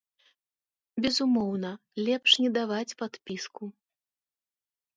Безумоўна, лепш не даваць падпіску.